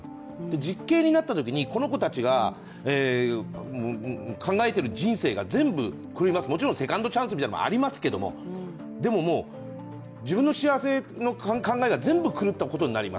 実刑になったときにこの子たちが考えている人生が全部狂います、もちろんセカンドチャンスみたいのもありますけどもでももう、自分の幸せの考えが全部狂ったことになります。